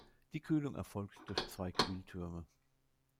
Die Kühlung erfolgt durch zwei Kühltürme.